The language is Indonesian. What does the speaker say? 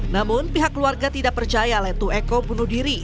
namun pihak keluarga tidak percaya letu eko bunuh diri